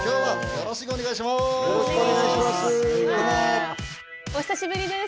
よろしくお願いします！